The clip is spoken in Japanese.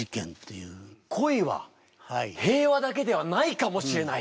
恋は平和だけではないかもしれない。